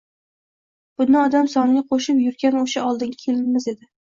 Buni odam soniga qo‘shib jurg‘an o‘sha oldingi kelinimiz edi